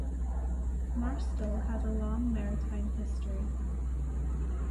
Marstal has a long maritime history.